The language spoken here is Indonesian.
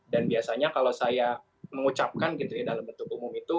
dan biasanya kalau saya mengucapkan gitu ya dalam bentuk umum itu